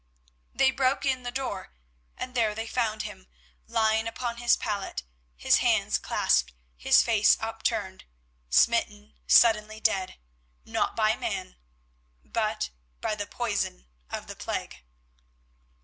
They broke in the door, and there they found him, lying upon his pallet, his hands clasped, his face upturned, smitten suddenly dead, not by man, but by the poison of the plague.